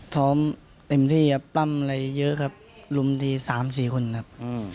เต็มที่ครับปั้มอะไรเยอะครับรุมที่๓๔คนครับ